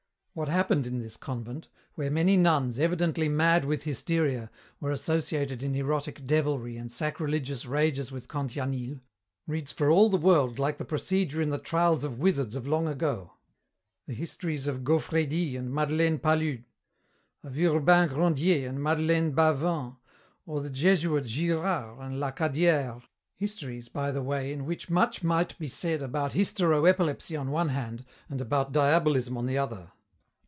"What happened in this convent, where many nuns, evidently mad with hysteria, were associated in erotic devilry and sacrilegious rages with Cantianille, reads for all the world like the procedure in the trials of wizards of long ago, the histories of Gaufrédy and Madeleine Palud, of Urbain Grandier and Madeleine Bavent, or the Jesuit Girard and La Cadière, histories, by the way, in which much might be said about hystero epilepsy on one hand and about Diabolism on the other.